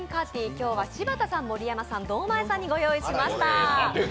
今日は柴田さん、盛山さん、堂前さんにご用意しました。